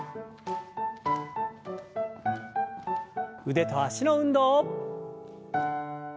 腕と脚の運動。